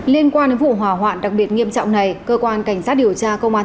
liên quan đến vụ hỏa hoạn đặc biệt nghiêm trọng này cơ quan cảnh sát điều tra công an